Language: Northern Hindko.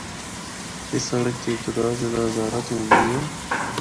اس سڑک دی ابتدا ضلع ہزارہ تو ہوندی ہے۔